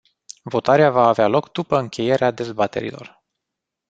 Votarea va avea loc după încheierea dezbaterilor.